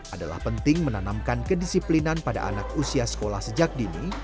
adalah penting menanamkan kedisiplinan pada anak usia sekolah sejak dini